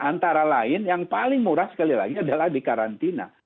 antara lain yang paling murah sekali lagi adalah di karantina